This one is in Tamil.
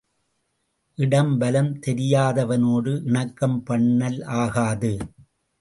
இடம் வலம் தெரியாதவனோடு இணக்கம் பண்ணல் ஆகாது.